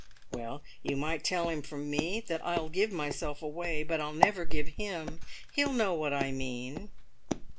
"Well, you might tell him from me that I'll give myself away, but I'll never give him! He'll know what I mean."